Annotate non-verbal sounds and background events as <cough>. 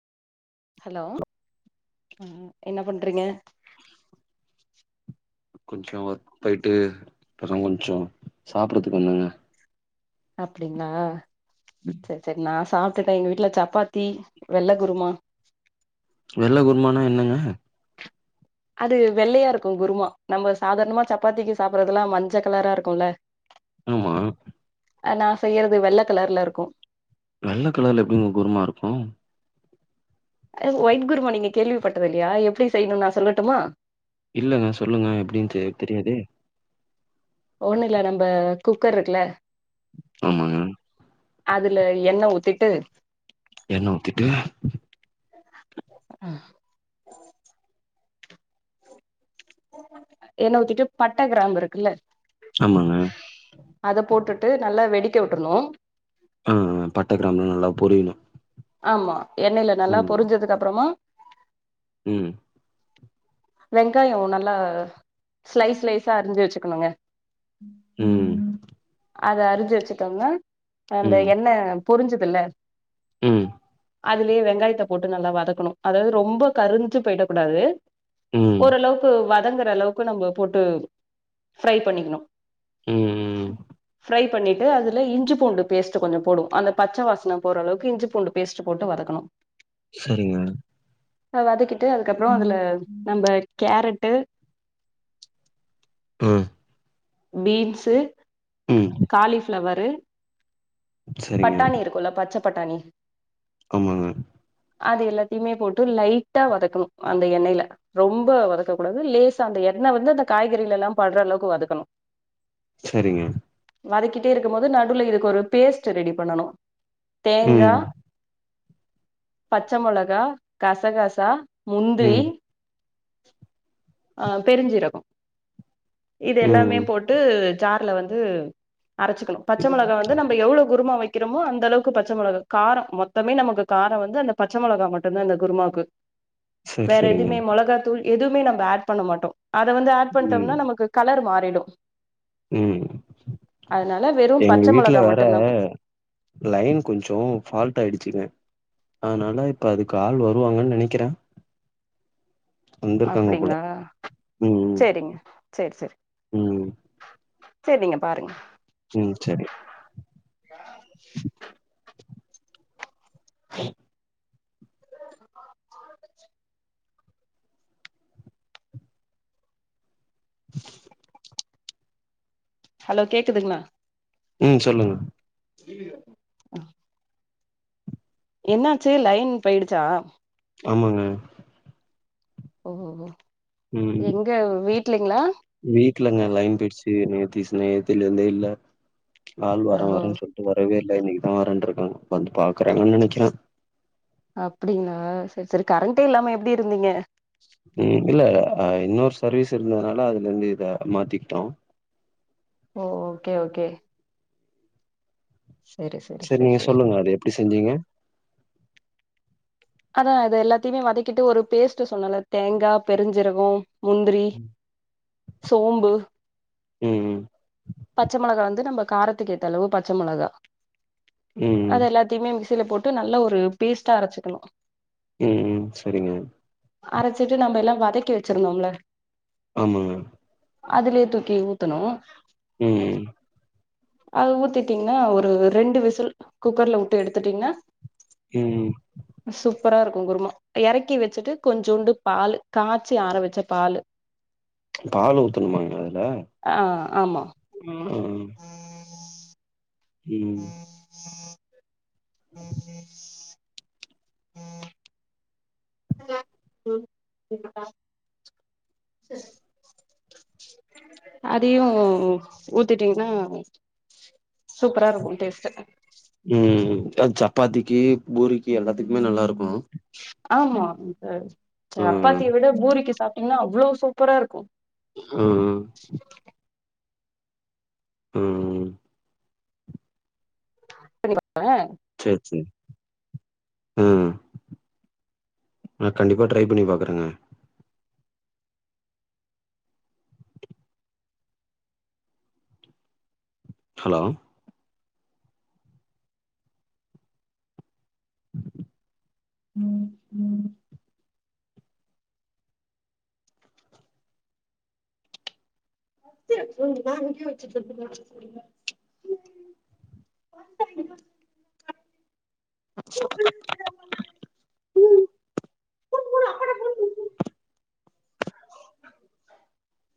hello என்ன பண்றீங்க கொஞ்ச ஒர்க் போயிட்டு இப்பத கொஞ்சோ சாப்டறதுக்கு வந்தேங்க அப்டிங்களா செர் செரி நா சாப்டுட்டே எங்க வீட்டுல சப்பாத்தி வெள்ள குருமா வெள்ள குருமானா என்னங்க அது வெள்ளயா இருக்கு குருமா நம்ம சாதாரணமா சப்பாத்திக்கு சாப்டறதுல்லா மஞ்ச கலரா இருக்குல்ல <unintelligible> ஆ நா செய்யறது வெள்ளக்கலர்ல இருக்கு வெள்ள கலர்ல எப்டிங்க குருமா இருக்கு வொய்ட் குருமா நீங்க கேள்விப்பட்டதுல்லையா எப்டி செய்யணு நா சொல்லட்டுமா இல்லங்க சொல்லுங்க எப்டின்னு செய்ய தெரியாதே ஒண்ணு இல்ல நம்ப குக்கர் இருக்குல ஆமா அதுல எண்ண ஊத்திட்டு எண்ண ஊத்திட்டு ம் எண்ண ஊத்திட்டு பட்ட கிராம் இருக்குல்ல <unintelligible> அத போட்டுட்டு நல்லா வெடிக்க உட்றணும் ஆ பட்டகிராமெலாம் நல்லா பொரியணும் ஆமா எண்ணயில நல்லா பொரிஞ்சதுக்கு அப்றமா ம் வெங்காய நல்லா சிலைஸ் சிலைஸா அறிஞ்சு வச்சுக்கணுங்க ம் அத அறிஞ்சு வச்சுட்டோம்னா அந்த ம் என்ன பொரிஞ்சதுல ம் அதுலயே வெங்காயத்த போட்டு நல்லா வதக்கணும் அதாவது ரொம்ப கருஞ்சு போயிட கூடாது ம் ம் ஓரளவுக்கு வதங்குற அளவுக்கு நம்ம போட்டு ஃபிரை பண்ணிக்கணும் ம் ம் ஃப்ரை பண்ணிட்டு அதுல இஞ்சி பூண்டு பேஸ்ட் கொஞ்ச போடும் அந்த பச்ச வாசன போற அளவுக்கு இ்ஞ்சிபூண்டு பேஸ்ட் போட்டு வதக்கணும் சரிங்க வதக்கிட்டு அதுக்கப்புறம் அதுல நம்பா கேரட்டு ம் பீன்ஸு ம் காலிஃபிளவரு சரிங்க பட்டாணி இருக்குல்ல பச்ச பட்டாணி ஆமா அது எல்லாத்திமே போட்டு லைட்டா வதக்கணு அந்த எண்ணெயில ரொம்ப வதக்க கூடாது லேசா அந்த எண்ணெ வந்து காய்கறிலலாம் பட்ற அளவுக்கு வதக்கணு செரிங்க வதக்கிட்டே இருக்கும் போது நடுல இதுக்கு ஒரு பேஸ்ட் ரெடி பண்ணணு தேங்கா ம் பச்ச மொளகா கசகாசா முந்திரி ம் ஆ பெருஞ்சிரகோ இது எல்லாமே ம் போட்டு ஜார்ல வந்து அரச்சிகணு பச்ச மொளக வந்து நம்ப எவ்ளோ குருமா வைக் வக்கிறமோ அந்த அளவுக்கு பச்ச அந்தளவுக்கு பச்ச மொளகா காரோ மொத்தமே நமக்கு காரம் வந்து அந்த பச்ச மொளகா மட்டுதா இந்த குருமாக்கு சரி வேற சரிங்க எதுமே மொளகாத்தூள் எதுமே நம்ம ஆட் பண்ண மாட்டோ அத வந்து ஆட் ம் பண்ட்டோம்னா நமக்கு கலர் மாறிடு ம் அதனால வெறு எங்க பச்ச வீட்ல மொளகா வேற மட்டுந்தா போட் லைன் கொஞ்சோ ஃபால்ட் ஆயிடுச்சுங்க அதனால இப்ப அதுக்கு ஆள் வருவாங்கன் நெனைக்கிறே வந்திருக்காங்க போல அப்டிங்ளா ம் செரிங்க செரி செரி ம் சேர் நீங்க பாருங்க ம் செரி ஹலோ கேக்குதுங்கலா ம் சொல்லுங்க என்னாச்சி லைன் போயிடுச்சா ஆமாங்க ஒ ஒ ம் எங்க வீட்லைங்ளா வீட்லங்க லைன் போயிடுச்சி நேதிஸ் நேத்தில இருந்து இல்ல ஆள் வரே ஓ வரேன் சொல் டு வரவே இல்ல இன்னைக்குதா வரேன் இருக்காங்க வந்து பாக்குறாங்குன் நெனைக்கிறே அப்டிங்கள செரி செரி கரண்ட்டே இல்லாம எப்டி இருந்தீங்க ம் இல்ல இன்னொரு சர்வீஸ் இருந்ததுனால அதுல இருந்து இத மாத்திக்கிட்டோ ஓ ஓகே ஓகே சரி சரி சேர் சரி நீங்க சரி சொல்லுங்க அது எப்டி செஞ்சீங்க அதா அத எல்லாத்தையுமே வதக்கிட்டு ஒரு பேஸ்ட் சொன்னேல்ல தேங்கா பெருஞ்சீரகோ முந்திரி ம் சோம்பு ம் ம் பச்ச மெளகா வந்து நம்ப காரத்துக்கேதளவு பச்ச மெளகா ம் அத எல்லாத்திமே மிக்சில போட்டு நல்ல ஒரு பேஸ்ட்டா அரைச்சிகணு ம்ம் சரிங்க அரைச்சிட்டு நம்ப எல்லா வதக்கி வெச்சிருந்தோல ஆமா அதுலே தூக்கி ஊத்தணு ம் அது ஊத்திட்டீங்கனா ஒரு ரெண்டு விசில் குக்கர்ல உட்டு எடுத்துட்டீங்கனா ம் சூப்பரா இருக்கும் குருமா ஏறக்கி வெச்சிட்டு கொஞ்சோண்டு பாலு காச்சி ஆற வெச்ச பாலு பால் ஊத்தணுமாங்க அதுல ஆ ஆமா ஆ ம் ஹலோ ம் இங்க பாரு சரி அதையு ஊத்திட்டீங்னா சூப்பரா இருக்கும் டேஸ்டு ம் து சப்பாத்திக்கி பூரிக்கி எல்லாத்துக்குமே நல்லா இருக்கு ஆமா அந்த ம் சப்பாத்திய விட பூரிக்கு சாப்பிட்டீங்னா அவ்ளோ சூப்பரா இருக்கு ம்ம் ம் பண்ணி <inaudible> கலே செர்செரி ம் நா கண்டிப்பா ட்ரை பண்ணி பாக்குறேங்க ஹலோ <inaudible> <unintelligible> <unintelligible> பிளான்